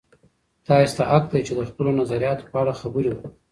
تاسې ته حق دی چې د خپلو نظریاتو په اړه خبرې وکړئ.